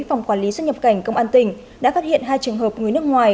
phòng quản lý xuất nhập cảnh công an tỉnh đã phát hiện hai trường hợp người nước ngoài